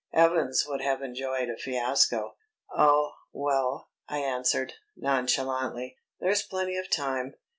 Evans would have enjoyed a fiasco. "Oh, well," I answered, nonchalantly, "there's plenty of time.